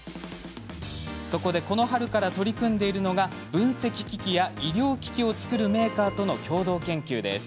そこでこの春から取り組んでいるのが分析機器や医療機器を作るメーカーとの共同研究です。